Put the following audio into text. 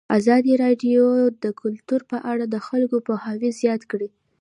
ازادي راډیو د کلتور په اړه د خلکو پوهاوی زیات کړی.